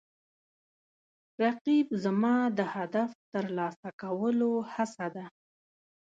رقیب زما د هدف ترلاسه کولو هڅه ده